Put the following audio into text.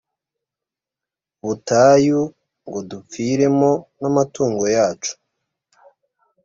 butayu ngo dupfiremo n amatungo yacu